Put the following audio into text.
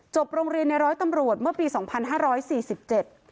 โรงเรียนในร้อยตำรวจเมื่อปีสองพันห้าร้อยสี่สิบเจ็ด